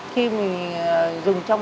khi mình dùng trong